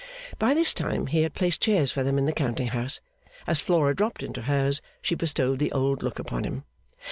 By this time he had placed chairs for them in the counting house. As Flora dropped into hers, she bestowed the old look upon him.